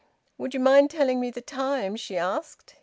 "Would you mind telling me the time?" she asked.